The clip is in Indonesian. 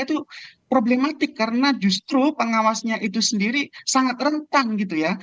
itu problematik karena justru pengawasnya itu sendiri sangat rentan gitu ya